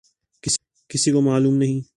کسی کو معلوم نہیں۔